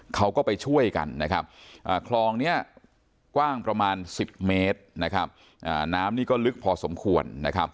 เขาก็ไปช่วยกันคลองนี้กว้างประมาณ๑๐เมตรน้ำนี้ก็ลึกพอสมควร